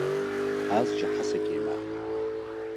Ez ji Hesekê me.